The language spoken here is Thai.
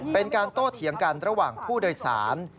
เป็นการโต้เถียงกันระหว่างผู้โดยสาร